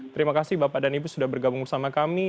terima kasih bapak dan ibu sudah bergabung bersama kami